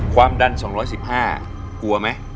ความดัน๒๑๕กลัวไหม